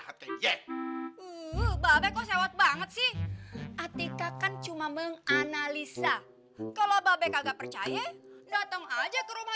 sehat banget sih artikel kan cuma menganalisa kalau babek agak percaya datang aja ke rumah